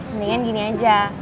mendingan gini aja